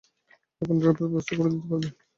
একজন ড্রাইভারের ব্যবস্থা করে দিতে পারবেন?